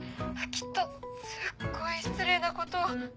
きっとすっごい失礼なことを。